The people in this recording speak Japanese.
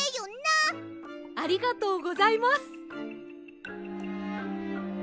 ありがとうございます。